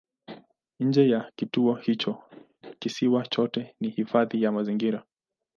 Nje ya kituo hicho kisiwa chote ni hifadhi ya mazingira.